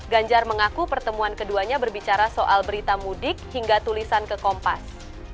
ganjar mengaku pertemuan keduanya berbicara soal berita mudik hingga tulisan ke kompas